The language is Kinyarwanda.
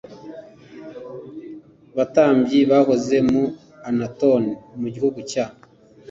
batambyi bahoze mu Anatoti mu gihugu cya